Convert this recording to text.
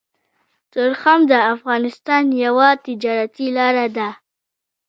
تورخم د افغانستان يوه تجارتي لاره ده